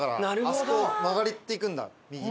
あそこ曲がっていくんだ右に。